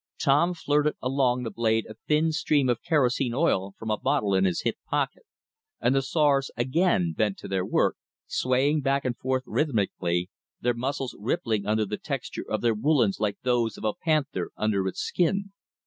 Tom flirted along the blade a thin stream of kerosene oil from a bottle in his hip pocket, and the sawyers again bent to their work, swaying back and forth rhythmically, their muscles rippling under the texture of their woolens like those of a panther under its skin.